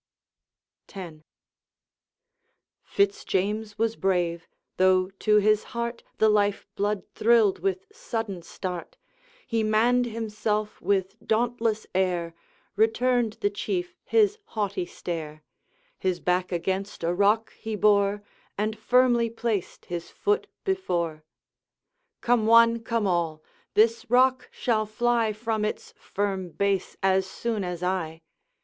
X. Fitz James was brave: though to his heart The life blood thrilled with sudden start, He manned himself with dauntless air, Returned the Chief his haughty stare, His back against a rock he bore, And firmly placed his foot before: 'Come one, come all! this rock shall fly From its firm base as soon as I.'